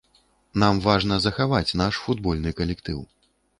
Нам важна захаваць наш футбольны калектыў.